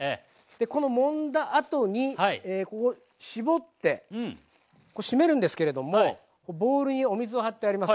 このもんだあとにここ絞って締めるんですけれどもボウルにお水を張ってあります。